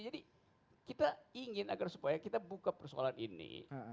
jadi kita ingin agar supaya kita buka persoalan ini